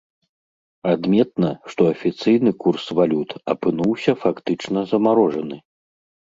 Адметна, што афіцыйны курс валют апынуўся фактычна замарожаны.